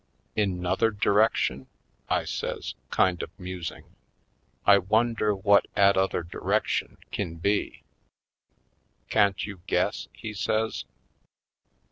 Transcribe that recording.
"In 'nother direction?" I says, kind of musing. "I wonder whut 'at other direc tion kin be?" "Can't you guess?" he says.